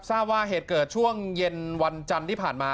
ทราบว่าเหตุเกิดช่วงเย็นวันจันทร์ที่ผ่านมา